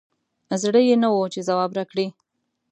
زړه یي نه وو چې ځواب راکړي